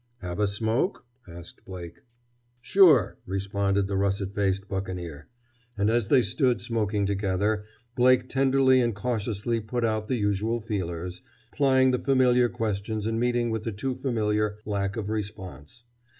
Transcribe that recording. "Have a smoke?" asked Blake. "Sure," responded the russet faced bucaneer. And as they stood smoking together Blake tenderly and cautiously put out the usual feelers, plying the familiar questions and meeting with the too familiar lack of response.